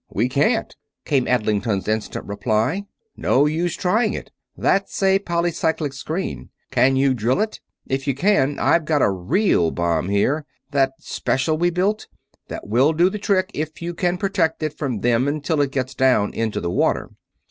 "We can't," came Adlington's instant reply. "No use trying it that's a polycyclic screen. Can you drill it? If you can, I've got a real bomb here that special we built that will do the trick if you can protect it from them until it gets down into the water."